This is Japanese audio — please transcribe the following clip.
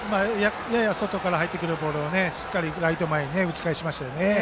やや外から入ってくるボールをしっかりライト前に打ち返しましたね。